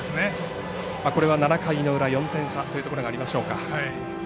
これは７回の裏４点差ということからということになりましょうか。